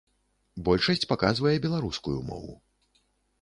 Большасць паказвае беларускую мову.